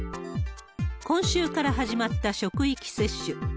今週から始まった職域接種。